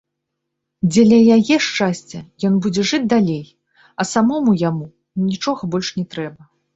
Дзеля яе шчасця ён будзе жыць далей, а самому яму нічога больш не трэба.